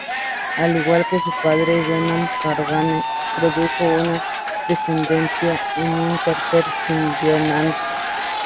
Al igual que su "padre" Venom, Carnage produjo una descendencia: un tercer simbionte.